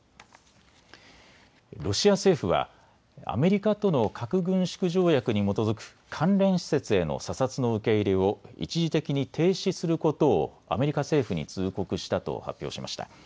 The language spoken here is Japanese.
ロシア政府はアメリカとの核軍縮条約に基づく関連施設への査察の受け入れを一時的に停止することをアメリカ政府に通告したと発表しました。